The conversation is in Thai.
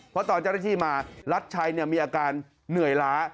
เพราะตอนเจ้าหน้าที่มารัชชัยมีอาการเหนื่อยล้า